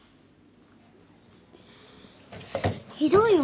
ひどいよ